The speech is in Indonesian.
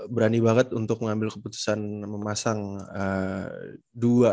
berani banget untuk ngambil keputusan memasang dua anak muda ini